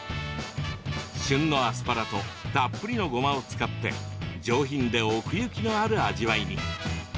旬のアスパラとたっぷりのごまを使って上品で奥行きのある味わいに。